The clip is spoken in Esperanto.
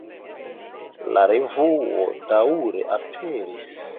La revuo daŭre aperis.